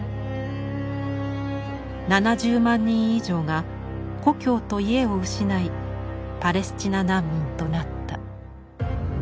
７０万人以上が故郷と家を失いパレスチナ難民となった。